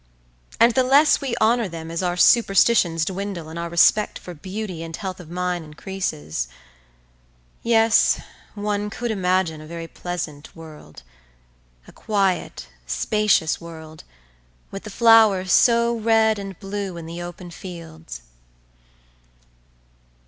And the less we honour them as our superstitions dwindle and our respect for beauty and health of mind increases.… Yes, one could imagine a very pleasant world. A quiet, spacious world, with the flowers so red and blue in the open fields.